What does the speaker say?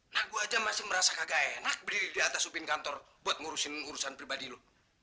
nah gue aja masih merasa kagak enak beli di atas supin kantor buat ngurusin urusan pribadi lu